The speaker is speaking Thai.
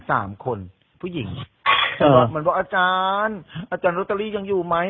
สามคนผู้หญิงเอ่อมันบอกอาจารย์อาจารย์ร็อตเตอรี่ยังอยู่ไหม